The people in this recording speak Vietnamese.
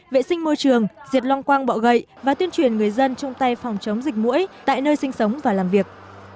vệ sinh môi trường diệt long quang bọ gậy và tuyên truyền người dân trong tay phòng chống dịch mũi tại nơi sinh sống và làm việc